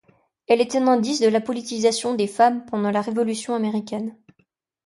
Elle est un indice de la politisation des femmes pendant la révolution américaine.